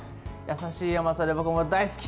優しい甘さで僕も大好き。